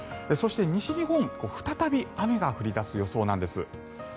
そして、西日本は再び雨が降り出す予想なんです。